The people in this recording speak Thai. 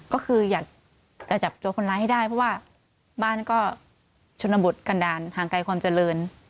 ก็คืออยากจะจับตัวคนร้ายให้ได้เพราะว่าบ้านก็ชนบทกันด่านห่างไกลความเจริญ